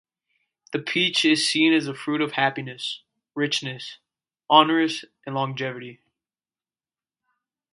The peach is seen as the fruit of happiness, riches, honours and longevity.